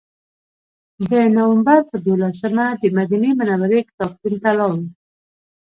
د نوامبر په دولسمه دمدینې منورې کتابتون ته لاړو.